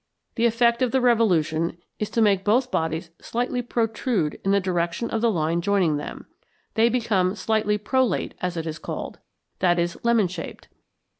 The effect of the revolution is to make both bodies slightly protrude in the direction of the line joining them; they become slightly "prolate" as it is called that is, lemon shaped.